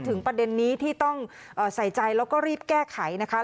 ประเด็นนี้ที่ต้องใส่ใจแล้วก็รีบแก้ไขนะคะ